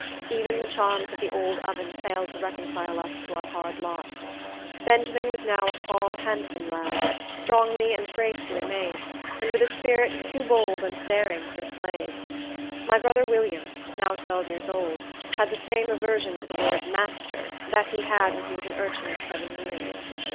Even the charms of the old oven failed to reconcile us to our hard lot. Benjamin was now a tall, handsome lad, strongly and gracefully made, and with a spirit too bold and daring for a slave. My brother William, now twelve years old, had the same aversion to the word master that he had when he was an urchin of seven years.